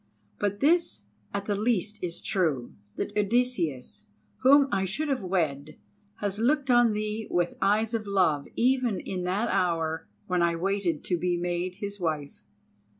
But this at the least is true, that Odysseus, whom I should have wed, has looked on thee with eyes of love, even in that hour when I waited to be made his wife.